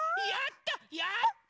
・やった！